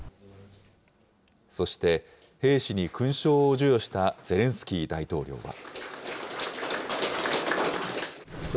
そして兵士に勲章を授与したゼレンスキー大統領は。